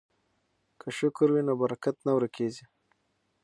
که شکر وي نو برکت نه ورکیږي.